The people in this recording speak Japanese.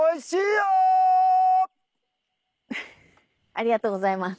ありがとうございます。